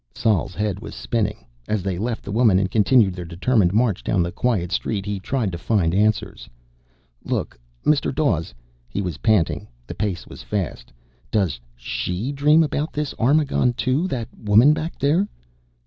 Sol's head was spinning. As they left the woman and continued their determined march down the quiet street, he tried to find answers. "Look, Mr. Dawes." He was panting; the pace was fast. "Does she dream about this Armagon, too? That woman back there?"